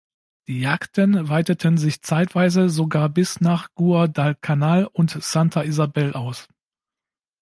Die Jagden weiteten sich zeitweise sogar bis nach Guadalcanal und Santa Isabel aus.